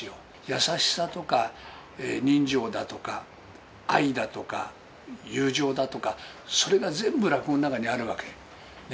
優しさとか人情だとか、愛だとか友情だとか、それが全部、落語の中にあるわけ。